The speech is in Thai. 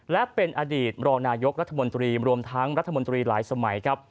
และเป็นอดีตรองนายกรัฐมนตรีรวมทั้งรัฐมนตรีหลายสมัยครับ